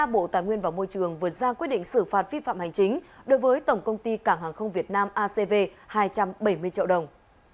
bộ tài nguyên và môi trường vừa ra quyết định xử phạt vi phạm hành chính đối với tổng công ty cảng hàng không việt nam acv hai trăm bảy mươi triệu đồng